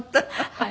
はい。